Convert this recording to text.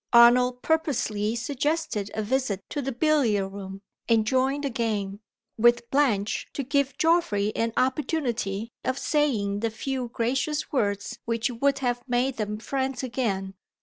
Arnold purposely suggested a visit to the billiard room, and joined the game, with Blanche, to give Geoffrey an opportunity of saying the few gracious words which would have made them friends again.